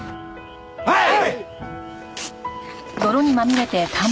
はい！